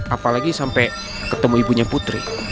apalagi sampai ketemu ibunya putri